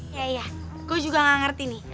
iya iya gue juga gak ngerti nih